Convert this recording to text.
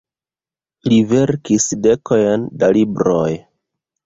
Li verkis dekojn da libroj.